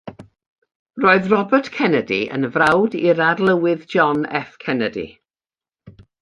Roedd Robert Kennedy yn frawd i'r Arlywydd John F. Kennedy.